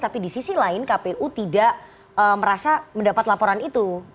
tapi di sisi lain kpu tidak merasa mendapat laporan itu